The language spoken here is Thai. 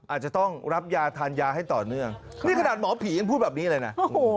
อาจจะต้องรับยาทานยาให้ต่อเนื่องนี่ขนาดหมอผียังพูดแบบนี้เลยนะ